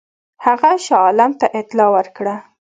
هغه شاه عالم ته اطلاع ورکړه.